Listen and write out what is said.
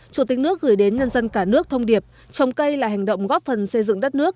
chủ tịch nước gửi đến nhân dân cả nước thông điệp trồng cây là hành động góp phần xây dựng đất nước